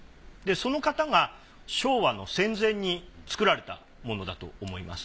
その方が昭和の戦前に作られたものだと思います。